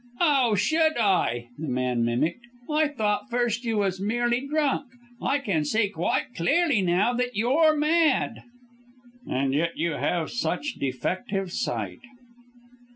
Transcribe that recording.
"Oh, should I!" the man mimicked, "I thought first you was merely drunk; I can see quite clearly now that you're mad." "And yet you have such defective sight."